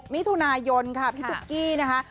มิถุนายนค่ะพี่ตุ๊กกี้นะคะ